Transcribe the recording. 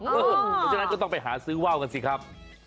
เพราะฉะนั้นก็ต้องไปหาซื้อว่าวกันสิครับ